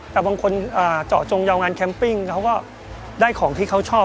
แต่บางคนเจาะจงยาวงานแคมปิ้งเขาก็ได้ของที่เขาชอบ